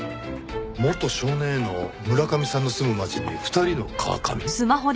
元少年Ａの村上さんの住む町に２人の川上。